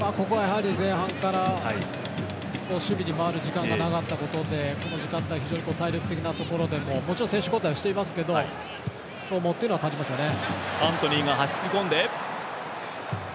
前半から守備に回る時間帯が長かったことでこの時間帯、体力的なところでも選手交代はしてますけど消耗っていうのは感じますね。